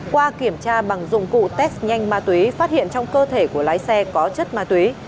qua kiểm tra bằng dụng cụ test nhanh ma túy phát hiện trong cơ thể của lái xe có chất ma túy